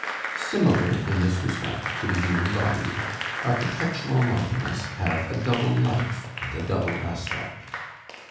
Similar in this respect to the human body, architectural monuments have a double life and a double aspect.